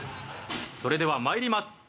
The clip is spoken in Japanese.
それではまいります。